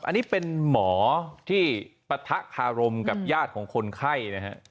อันนี้เป็นหมอที่ปะทะคารมกับญาติของคนไข้นะฮะ